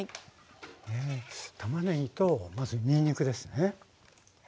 たまねぎとまずにんにくですね。